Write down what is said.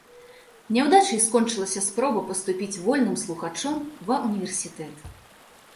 Няўдачай скончылася спроба паступіць вольным слухачом ва ўніверсітэт.